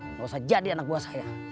nggak usah jadi anak buah saya